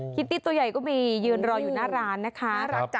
ิตตี้ตัวใหญ่ก็มียืนรออยู่หน้าร้านนะคะ